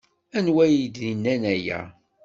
Anwa ay d-yennan aya?